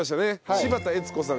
柴田悦子さん